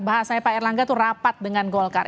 bahasanya pak erlangga itu rapat dengan golkar